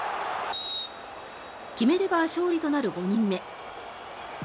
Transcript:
決めれば勝利となる５人目。